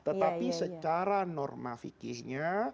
tetapi secara normafikihnya